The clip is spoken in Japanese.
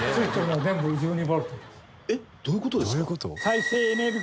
えっどういう事ですか？